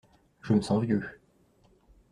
Je me sens vieux.